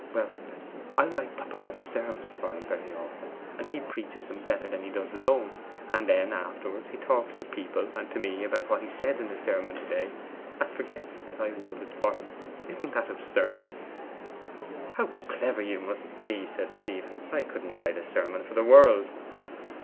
'Well, I write papa's sermons for him very often, and he preaches them better than he does his own; and then afterwards he talks to people and to me about what he said in his sermon to day, and forgets that I wrote it for him. Isn't it absurd?' 'How clever you must be!' said Stephen. 'I couldn't write a sermon for the world.